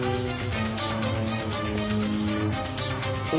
お？